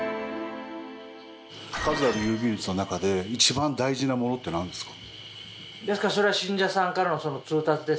数ある郵便物の中で一番大事なものって何ですか？